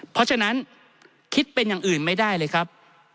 เพราะฉะนั้นคิดเป็นอย่างอื่นไม่ได้เลยครับ